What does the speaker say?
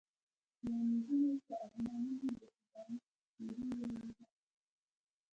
د نجونو په ارمانونو د خزان سیلۍ ولګېده